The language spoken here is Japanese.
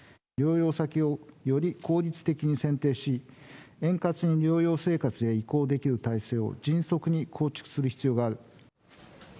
療養先をより効率的に選定し、円滑に療養生活へ移行できる体制を迅速に構築する必要がある。